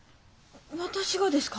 私がですか？